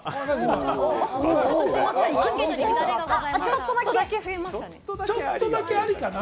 ちょっとだけ増えましたね。